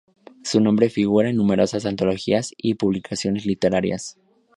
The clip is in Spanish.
Su nombre figura en numerosas antologías y publicaciones literarias.